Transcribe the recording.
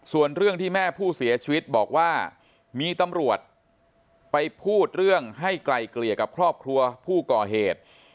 ส่วนเรื่องที่แม่ผู้เสียชีวิตบอกว่ามีตำรวจไปพูดเรื่องให้ไกลเกลี่ยกับครอบครัวผู้ก่อเหตุ